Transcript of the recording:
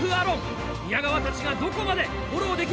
宮川たちがどこまでフォローできるか？